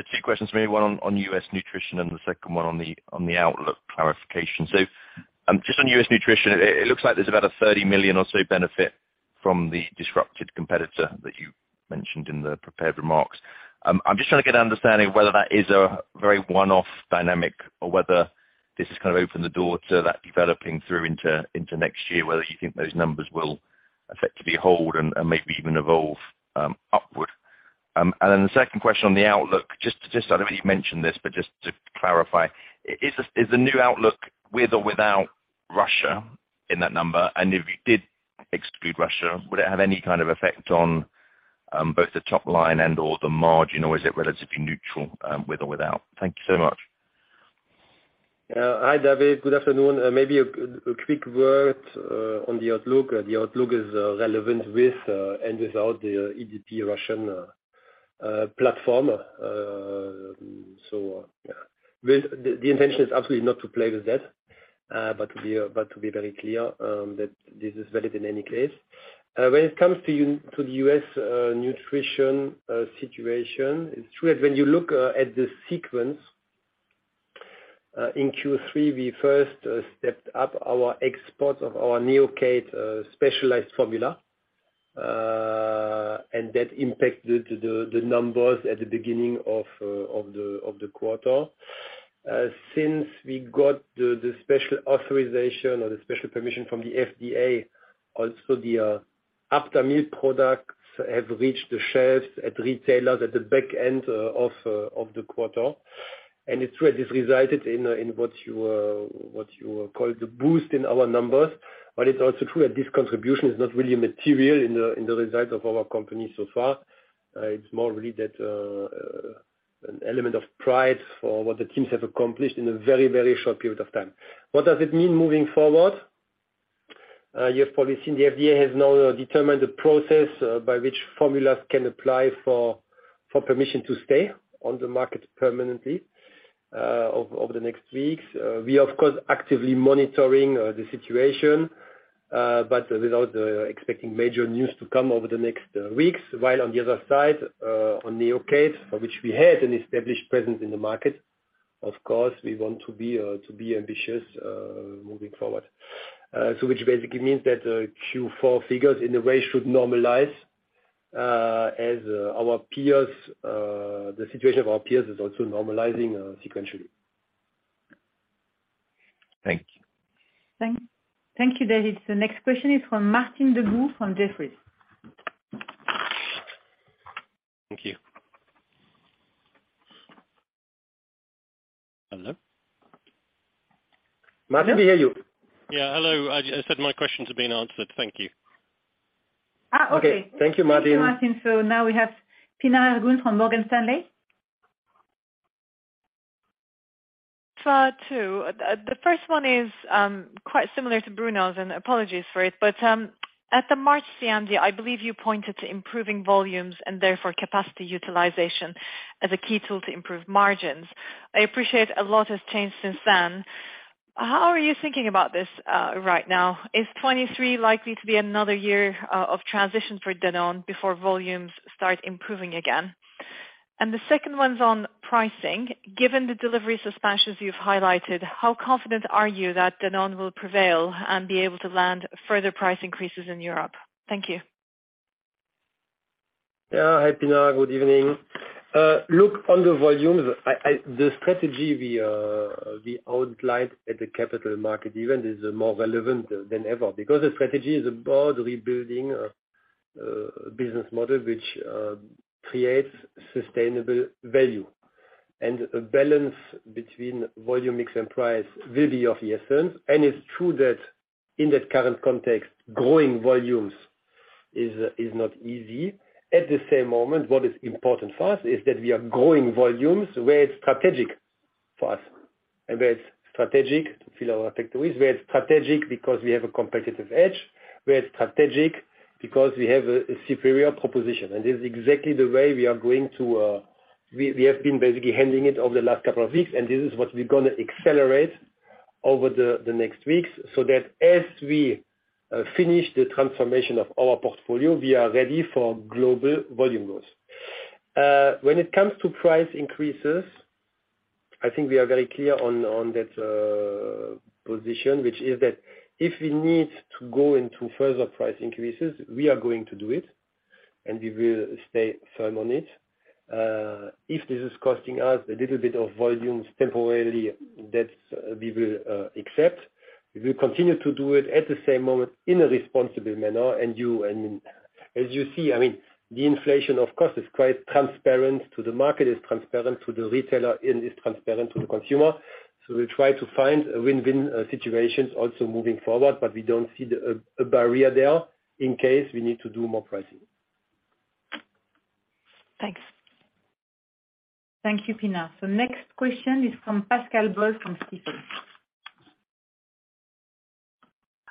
Speaker 9: Two questions for me, one on US nutrition and the second one on the outlook clarification. Just on US nutrition, it looks like there's about a 30 million or so benefit from the disrupted competitor that you mentioned in the prepared remarks. I'm just trying to get an understanding of whether that is a very one-off dynamic or whether this has kind of opened the door to that developing through into next year, whether you think those numbers will effectively hold and maybe even evolve upward. The second question on the outlook, just to clarify, I know you've mentioned this, but just to clarify, is the new outlook with or without Russia in that number? If you did exclude Russia, would it have any kind of effect on both the top line and/or the margin, or is it relatively neutral with or without? Thank you so much.
Speaker 3: Hi David. Good afternoon. Maybe a quick word on the outlook. The outlook is relevant with and without the EDP Russian platform. The intention is absolutely not to play with that, but to be very clear that this is valid in any case. When it comes to the U.S. nutrition situation, it's true that when you look at the sequence in Q3, we first stepped up our export of our Neocate specialized formula, and that impacted the numbers at the beginning of the quarter. Since we got the special authorization or the special permission from the FDA, also the Aptamil products have reached the shelves at retailers at the back end of the quarter. It's true, this resulted in what you call the boost in our numbers. It's also true that this contribution is not really material in the results of our company so far. It's more really that an element of pride for what the teams have accomplished in a very, very short period of time. What does it mean moving forward? You have probably seen the FDA has now determined the process by which formulas can apply for permission to stay on the market permanently over the next weeks. We are, of course, actively monitoring the situation but without expecting major news to come over the next weeks. While on the other side, on Neocate, for which we had an established presence in the market, of course, we want to be ambitious moving forward. Which basically means that Q4 figures in a way should normalize as the situation of our peers is also normalizing sequentially.
Speaker 9: Thank you.
Speaker 2: Thank you, David. The next question is from Martin Deboo from Jefferies.
Speaker 9: Thank you. Hello?
Speaker 3: Martin, we hear you.
Speaker 9: Yeah, hello. I said my question's been answered. Thank you.
Speaker 3: Okay.
Speaker 2: Okay.
Speaker 3: Thank you, Martin.
Speaker 2: Thank you, Martin. Now we have Pinar Ergun from Morgan Stanley.
Speaker 10: I have 2. The first one is quite similar to Bruno's, and apologies for it. At the March CMD, I believe you pointed to improving volumes and therefore capacity utilization as a key tool to improve margins. I appreciate a lot has changed since then. How are you thinking about this right now? Is 2023 likely to be another year of transition for Danone before volumes start improving again? The second one's on pricing. Given the delivery suspensions you've highlighted, how confident are you that Danone will prevail and be able to land further price increases in Europe? Thank you.
Speaker 3: Yeah. Hi, Pinar. Good evening. Look on the volumes, the strategy we outlined at the capital market event is more relevant than ever because the strategy is about rebuilding a business model which creates sustainable value. A balance between volume, mix, and price will be of the essence. It's true that in the current context, growing volumes is not easy. At the same moment, what is important for us is that we are growing volumes where it's strategic for us and where it's strategic to fill our factor is, where it's strategic because we have a competitive edge, where it's strategic because we have a superior proposition. This is exactly the way we have been basically handling it over the last couple of weeks, and this is what we're gonna accelerate over the next weeks so that as we finish the transformation of our portfolio, we are ready for global volume growth. When it comes to price increases, I think we are very clear on that position, which is that if we need to go into further price increases, we are going to do it, and we will stay firm on it. If this is costing us a little bit of volumes temporarily, that's we will accept. We will continue to do it at the same moment in a responsible manner. As you see, I mean, the inflation, of course, is quite transparent to the market, is transparent to the retailer and is transparent to the consumer. We try to find a win-win situations also moving forward, but we don't see a barrier there in case we need to do more pricing.
Speaker 10: Thanks.
Speaker 2: Thank you, Pinar. Next question is from Pascal Boll from Stifel.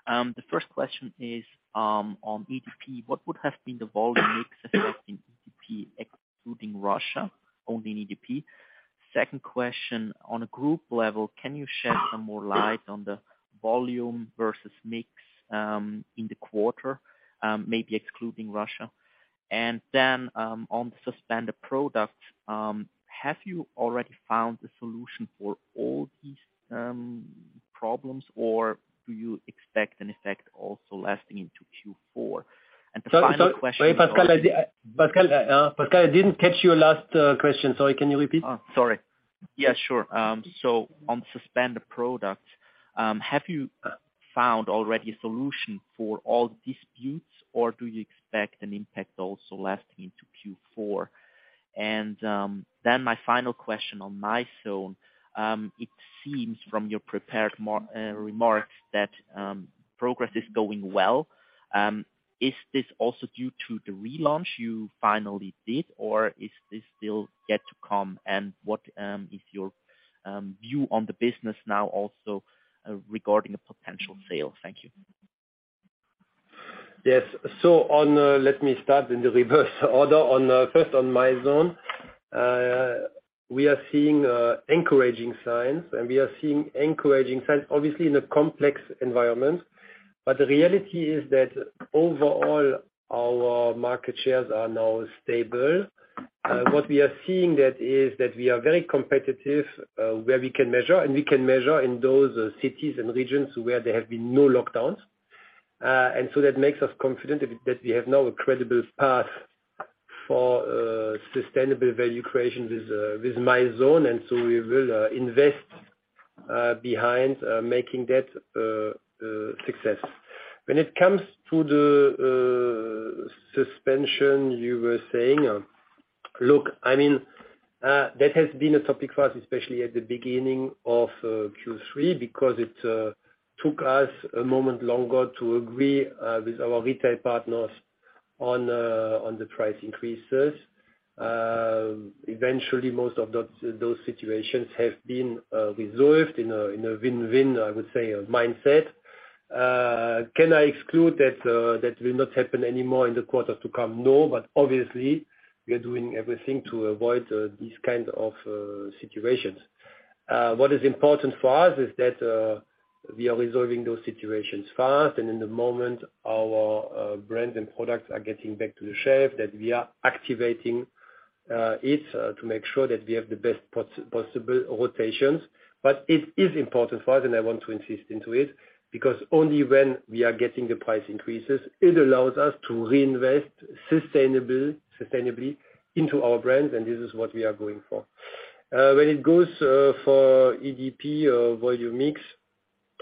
Speaker 11: The first question is on EDP. What would have been the volume mix effect in EDP excluding Russia, only in EDP? Second question, on a group level, can you shed some more light on the volume versus mix in the quarter, maybe excluding Russia? On suspended products, have you already found a solution for all these problems, or do you expect an effect also lasting into Q4? The final question-
Speaker 3: Sorry, Pascal. I didn't catch your last question. Sorry, can you repeat?
Speaker 11: Oh, sorry. Yeah, sure. On suspended products, have you found already a solution for all disputes, or do you expect an impact also lasting into Q4? My final question on Mizone, it seems from your prepared remarks that progress is going well. Is this also due to the relaunch you finally did, or is this still yet to come? What is your view on the business now also regarding a potential sale? Thank you.
Speaker 3: Let me start in the reverse order, first on Mizone. We are seeing encouraging signs obviously in a complex environment. The reality is that overall our market shares are now stable. What we are seeing is that we are very competitive where we can measure in those cities and regions where there have been no lockdowns. That makes us confident that we have now a credible path for sustainable value creation with Mizone. We will invest behind making that success. When it comes to the suspension you were saying, look, I mean, that has been a topic for us, especially at the beginning of Q3, because it took us a moment longer to agree with our retail partners on the price increases. Eventually most of those situations have been resolved in a win-win, I would say, mindset. Can I exclude that will not happen anymore in the quarter to come? No, but obviously we are doing everything to avoid these kind of situations. What is important for us is that we are resolving those situations fast. In the moment our brands and products are getting back to the shelf, that we are activating it to make sure that we have the best possible rotations. It is important for us, and I want to insist on it, because only when we are getting the price increases, it allows us to reinvest sustainably into our brands, and this is what we are going for. When it goes for EDP or volume mix,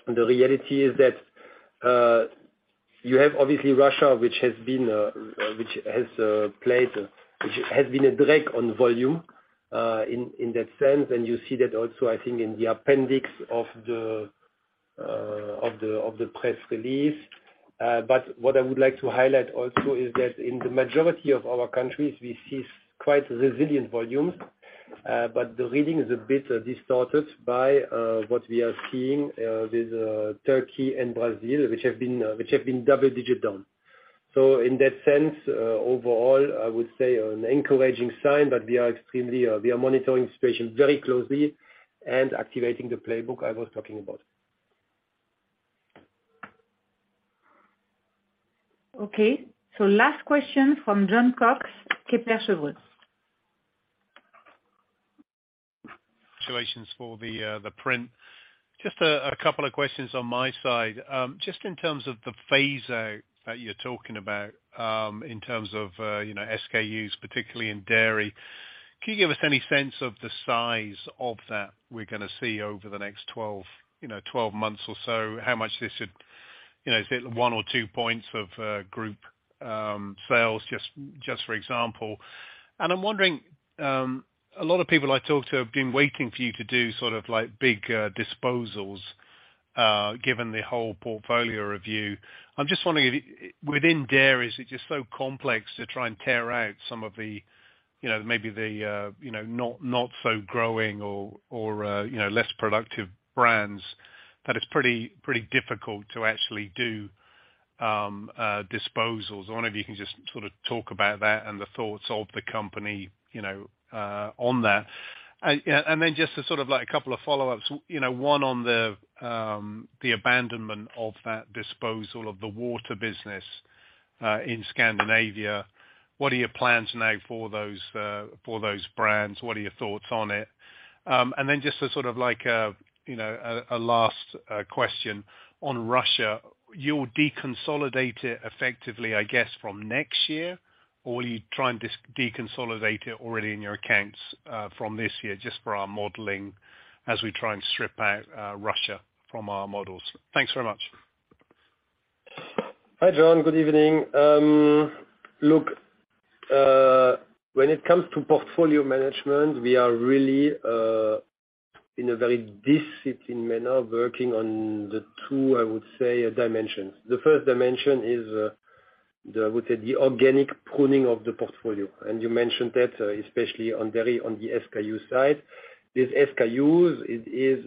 Speaker 3: the reality is that you have obviously Russia, which has been a drag on volume, in that sense, and you see that also I think in the appendix of the press release. What I would like to highlight also is that in the majority of our countries, we see quite resilient volumes, but the reading is a bit distorted by what we are seeing with Turkey and Brazil, which have been double-digit down. In that sense, overall, I would say an encouraging sign, but we are monitoring the situation very closely and activating the playbook I was talking about.
Speaker 2: Okay. Last question from Jon Cox, Kepler Cheuvreux.
Speaker 12: Congratulations for the print. Just a couple of questions on my side. Just in terms of the phase out that you're talking about, in terms of, you know, SKUs, particularly in dairy, can you give us any sense of the size of that we're gonna see over the next 12 months or so? How much this would, you know, is it 1 or 2 points of group sales? Just for example. I'm wondering, a lot of people I talk to have been waiting for you to do sort of like big disposals, given the whole portfolio review. I'm just wondering if within dairies, which is so complex to try and tear out some of the, you know, maybe the, you know, not so growing or, you know, less productive brands that it's pretty difficult to actually do disposals. I wonder if you can just sort of talk about that and the thoughts of the company, you know, on that. Then just to sort of like a couple of follow-ups, you know, one on the abandonment of that disposal of the water business in Scandinavia. What are your plans now for those brands? What are your thoughts on it? Then just to sort of like, you know, a last question on Russia. You'll deconsolidate it effectively, I guess, from next year? Will you try and deconsolidate it already in your accounts from this year? Just for our modeling as we try and strip out Russia from our models. Thanks very much.
Speaker 3: Hi, Jon. Good evening. When it comes to portfolio management, we are really in a very disciplined manner working on the 2, I would say dimensions. The first dimension is, I would say the organic pruning of the portfolio, and you mentioned that especially on dairy, on the SKU side. These SKUs it is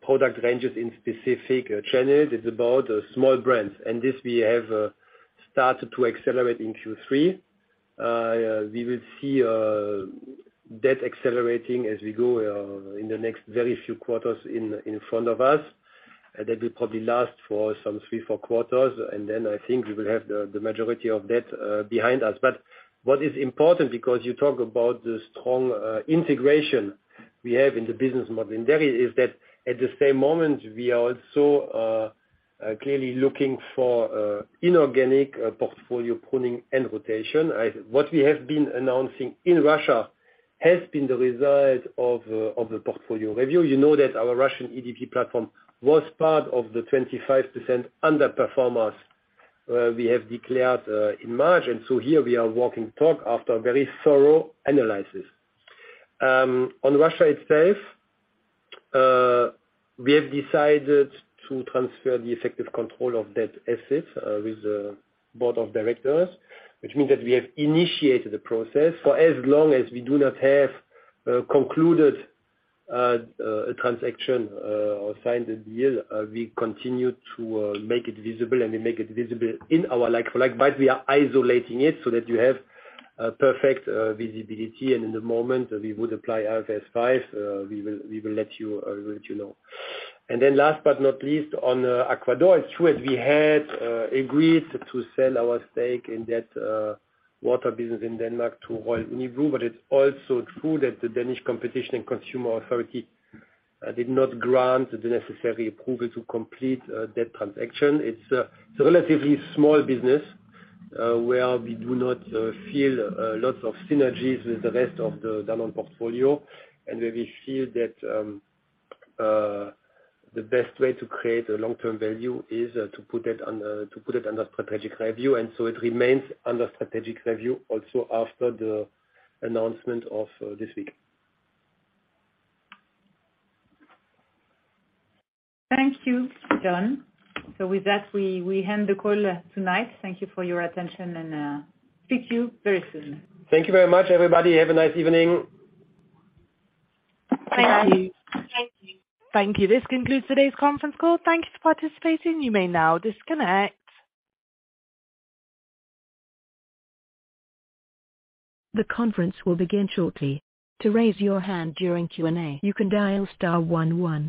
Speaker 3: product ranges in specific channels. It's about small brands. This we have started to accelerate in Q3. We will see that accelerating as we go in the next very few quarters in front of us. That will probably last for some 3, 4 quarters, and then I think we will have the majority of that behind us. What is important, because you talk about the strong integration we have in the business model in dairy, is that at the same moment, we are also clearly looking for inorganic portfolio pruning and rotation. What we have been announcing in Russia has been the result of the portfolio review. You know that our Russian EDP platform was part of the 25% underperformers we have declared in March. Here we are walking the talk after a very thorough analysis. On Russia itself, we have decided to transfer the effective control of that asset with the board of directors, which means that we have initiated the process. For as long as we do not have concluded a transaction or signed the deal, we continue to make it visible, and we make it visible in our like-for-like. We are isolating it so that you have perfect visibility, and in the moment that we would apply IFRS 5, we will let you know. Last but not least, on Aqua d'Or, it's true that we had agreed to sell our stake in that water business in Denmark to Royal Unibrew, but it's also true that the Danish Competition and Consumer Authority did not grant the necessary approval to complete that transaction. It's a relatively small business where we do not feel lots of synergies with the rest of the Danone portfolio and where we feel that the best way to create a long-term value is to put it under strategic review. It remains under strategic review also after the announcement of this week.
Speaker 2: Thank you, Jon. With that, we end the call tonight. Thank you for your attention and speak to you very soon.
Speaker 3: Thank you very much, everybody. Have a nice evening.
Speaker 2: Thank you.
Speaker 12: Thank you.
Speaker 1: Thank you. This concludes today's conference call. Thank you for participating. You may now disconnect. The conference will begin shortly. To raise your hand during Q&A, you can dial star one one.